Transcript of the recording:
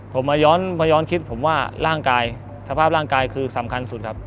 ผมมาย้อนมาย้อนคิดผมว่าร่างกายสภาพร่างกายคือสำคัญสุดครับ